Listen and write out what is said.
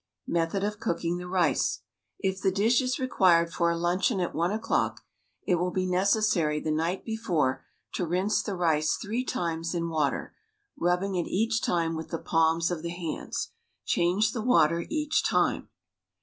Method of cooking the rice: If the dish is required for a luncheon at one o'clock, it will be necessary, the night before, to rinse the rice three times in water, rub bing it each time with the palms of the hands. Change the water each time.